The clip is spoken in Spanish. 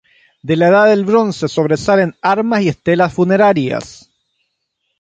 De la Edad del Bronce sobresalen armas y estelas funerarias.